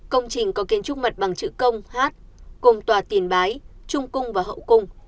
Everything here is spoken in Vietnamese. công trình có kiến trúc mật bằng chữ công hát cùng tòa tiền bái trung cung và hậu cung